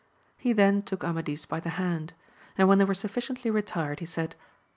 He then took Amadis by the hand, and when they were sufficiently retired, he said.